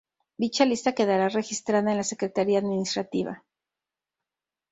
Dicha lista quedará registrada en la Secretaría Administrativa.